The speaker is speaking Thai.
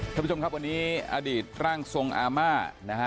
ท่านผู้ชมครับวันนี้อดีตร่างทรงอาม่านะฮะ